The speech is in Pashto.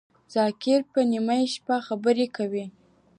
ذاکر په نیمه شپه خبری کوی